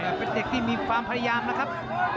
เป็นเด็กที่มีความพยายามนะครับ